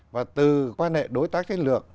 và từ quan hệ đối tác chiến lược